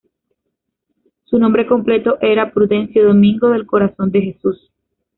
Su nombre completo era "Prudencio Domingo del Corazón de Jesús".